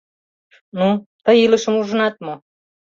Ну, тый илышым ужынат мо?